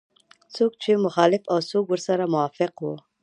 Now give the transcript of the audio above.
څوک یې مخالف او څوک ورسره موافق وو.